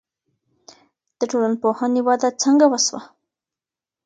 د ټولنپوهنې وده څنګه وسوه؟